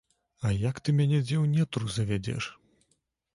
А як ты мяне дзе ў нетру завядзеш?